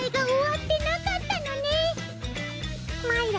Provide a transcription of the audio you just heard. まいら